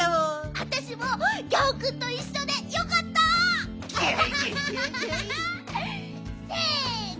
あたしもギャオくんといっしょでよかった！せの。